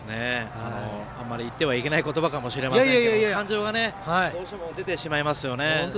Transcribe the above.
あまり言ってはいけない言葉かもしれませんけど感情がどうしても出てしまいますよね。